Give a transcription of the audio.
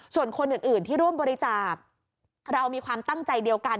ส่วนคนอื่นที่ร่วมบริจาคเรามีความตั้งใจเดียวกัน